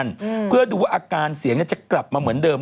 ก็คือไม่พูดกับใคร